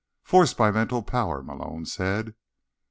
"Forced by mental power," Malone said.